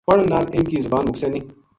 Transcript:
پڑھن نال اِنھ کی زبان مُکسے نیہہ